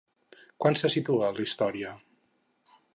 Quan se situa la història?